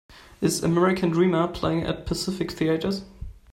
Is American Dreamer playing at Pacific Theatres